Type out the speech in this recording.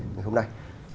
ngày hôm nay